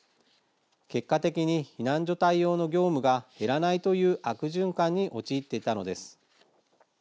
結果的に、避難所対応の業務が減らないという悪循環に陥っていたのです。